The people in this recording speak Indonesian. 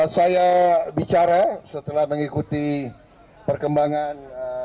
saya bicara setelah mengikuti perkembangan